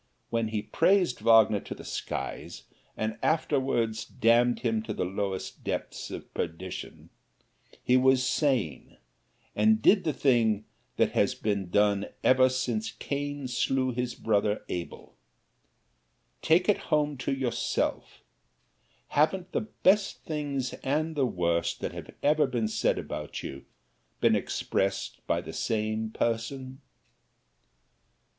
When he praised Wagner to the skies and afterwards damned him to the lowest depths of perdition, he was sane, and did the thing that has been done since Cain slew his brother Abel. Take it home to yourself haven't the best things and the worst that have ever been said about you, been expressed by the same person?